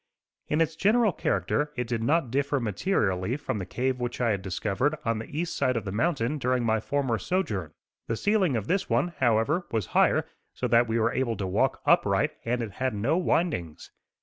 In its general character it did not differ materially from the cave which I had discovered on the east side of the mountain during my former sojourn. The ceiling of this one, however, was higher so that we were able to walk upright; and it had no windings.